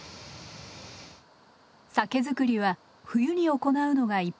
酒造りは冬に行うのが一般的。